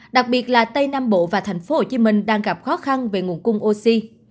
đặc biệt là tây nam bộ và thành phố hồ chí minh đang gặp khó khăn về nguồn cung oxy